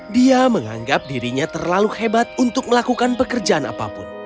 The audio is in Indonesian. dia menganggap dirinya terlalu hebat untuk melakukan pekerjaan apapun